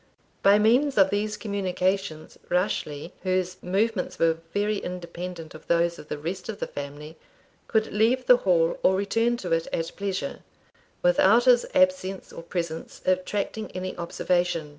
By means of these communications Rashleigh, whose movements were very independent of those of the rest of his family, could leave the Hall or return to it at pleasure, without his absence or presence attracting any observation.